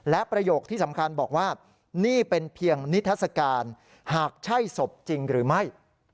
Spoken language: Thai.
และประโยคที่สำคัญบอกว่านี่เป็นเพียงนิทัศกาลหากใช่ศพจริงหรือไม่